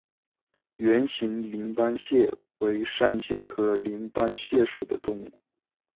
圆形鳞斑蟹为扇蟹科鳞斑蟹属的动物。